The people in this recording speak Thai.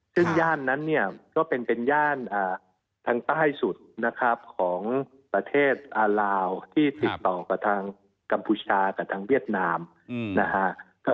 ซึ่งย่านนั้นเนี่ยก็เป็นย่านทางใต้สุดนะครับของประเทศอาลาวที่ติดต่อกับทางกัมพูชากับทางเวียดนามนะฮะ